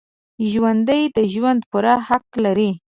ژوندي د ژوند پوره حق لري